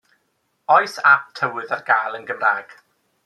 Oes ap tywydd ar gael yn Gymraeg?